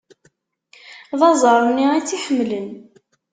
D aẓar-nni i tt-iḥemmlen.